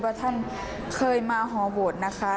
ว่าท่านเคยมาหอโหวตนะคะ